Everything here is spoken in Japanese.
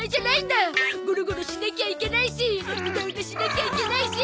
ゴロゴロしなきゃいけないしウダウダしなきゃいけないし。